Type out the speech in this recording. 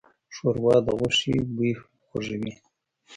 ښوروا د غوښې بوی خوږوي.